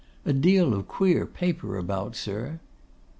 A deal of queer paper about, sir!